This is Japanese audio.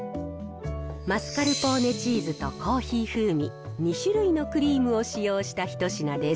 マスカルポーネチーズとコーヒー風味、２種類のクリームを使用した一品です。